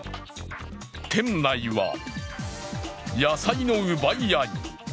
店内は野菜の奪い合い。